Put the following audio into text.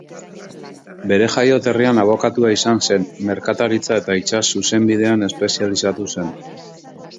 Bere jaioterrian abokatua izan zen, merkataritza- eta itsas-zuzenbidean espezializatu zen.